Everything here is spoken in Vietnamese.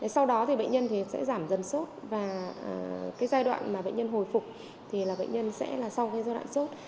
sau đó thì bệnh nhân sẽ giảm dần sốt và cái giai đoạn mà bệnh nhân hồi phục thì là bệnh nhân sẽ là sau cái giai đoạn sốt